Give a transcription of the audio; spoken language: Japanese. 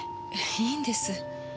いいんです。